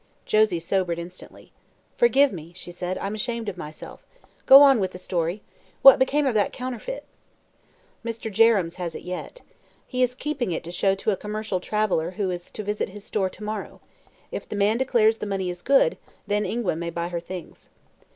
Josie sobered instantly. "Forgive me," she said; "I'm ashamed of myself. Go on with the story. What became of that counterfeit bill?" "Mr. Jerrems has it yet. He is keeping it to show to a commercial traveler, who is to visit his store to morrow. If the man declares the money is good, then Ingua may buy her things."